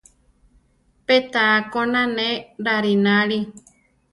Pé taá koná ne rarináli.